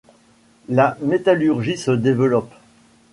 La métallurgie se développe.